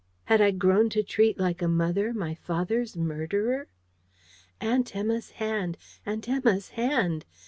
Had I grown to treat like a mother my father's murderer? Aunt Emma's hand! Aunt Emma's hand!